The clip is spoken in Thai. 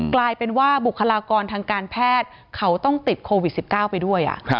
กลายเป็นว่าบุคลากรทางการแพทย์เขาต้องติดโควิด๑๙ไปด้วย